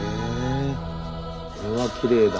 これはきれいだ。